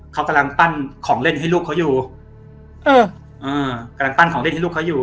อ๋อเขากำลังตั้งของเล่นให้ลูกเขาอยู่